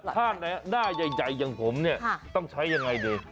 แล้วถ้าหน้าใหญ่อย่างผมต้องใช้อย่างไร